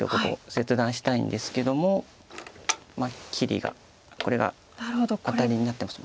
切断したいんですけども切りがこれがアタリになってます。